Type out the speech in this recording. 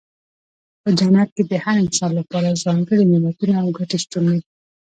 په جنت کې د هر انسان لپاره ځانګړي نعمتونه او ګټې شتون لري.